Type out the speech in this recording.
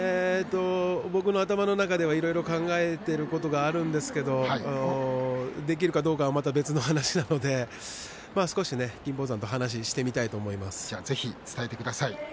僕の頭の中ではいろいろ考えていることはあるんですけれどできるかどうかまた別の話なので少し金峰山と話をしてみたいと思います。